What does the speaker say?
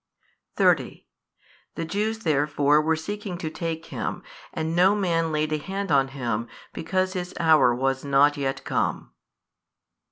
30 The Jews therefore were seeking to take Him: and no man laid a hand on Him, because His hour was not yet come.